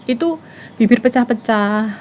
itu bibir pecah pecah